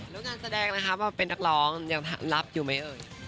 แล้วงานแสดงนะคะว่าเป็นนักร้องยังรับอยู่ไหมเอ่ย